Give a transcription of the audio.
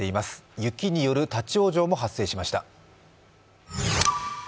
雪による立往生も発生しました。